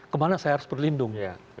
kemana saya harus berlindung